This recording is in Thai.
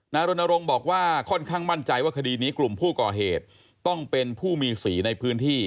รณรงค์บอกว่าค่อนข้างมั่นใจว่าคดีนี้กลุ่มผู้ก่อเหตุต้องเป็นผู้มีสีในพื้นที่